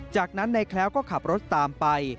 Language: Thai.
จากนั้นนายแคล้วก็ขับรถตามไป